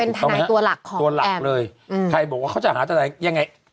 เป็นทนายตัวหลักของแอมม์ตัวหลักเลยใครบอกว่าเขาจะหาทนายยังไง